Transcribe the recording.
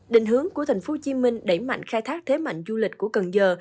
định hướng của thành phố hồ chí minh đẩy mạnh khai thác thế mạnh du lịch của cần giờ